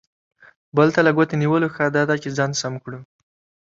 بل ته له ګوتې نیولو، ښه دا ده چې ځان سم کړو.